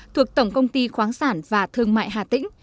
thuộc tổng công ty khoáng sản và thương mại hà tĩnh